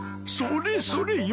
それそれ。